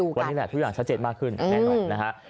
วันนี้แหละวันนี้แหละทุกอย่างชัดเจ็ดมากขึ้นแน่นไหวนะฮะ